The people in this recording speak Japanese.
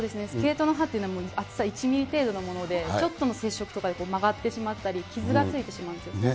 スケートの刃っていうのは、厚さ１ミリ程度のもので、ちょっとの接触とかで曲がってしまったり、傷がついてしまうんですよ。